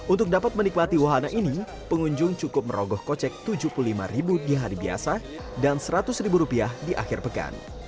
untuk dapat menikmati wahana ini pengunjung cukup merogoh kocek rp tujuh puluh lima di hari biasa dan rp seratus di akhir pekan